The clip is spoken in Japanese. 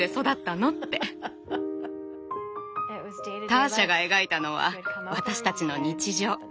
ターシャが描いたのは私たちの日常。